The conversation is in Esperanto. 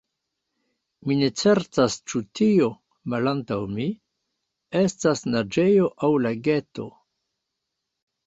Mi ne certas ĉu tio, malantaŭ mi, estas naĝejo aŭ lageto.